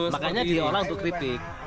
makanya tidak orang untuk keripik